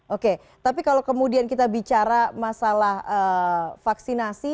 oke tapi kalau kemudian kita bicara masalah vaksinasi